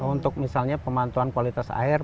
untuk misalnya pemantuan kualitas air